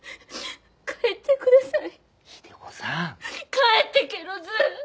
帰ってけろず！